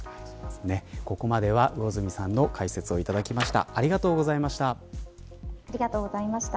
ここまでは魚住さんの解説をいただきました。